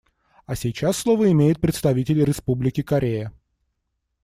А сейчас слово имеет представитель Республики Корея.